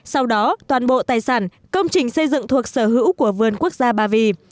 sau đó toàn bộ tài sản công trình xây dựng thuộc sở hữu của vườn quốc gia ba vì